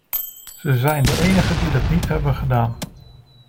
Ze zijn de enigen die dat niet hebben gedaan.